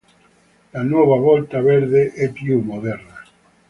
La Nuova Volta verde è più moderna.